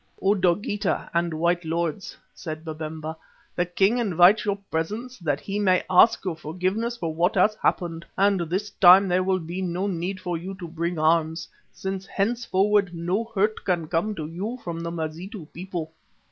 "O Dogeetah and white lords," said Babemba, "the king invites your presence that he may ask your forgiveness for what has happened, and this time there will be no need for you to bring arms, since henceforward no hurt can come to you from the Mazitu people."